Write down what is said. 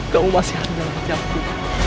kamu masih ada di hatiku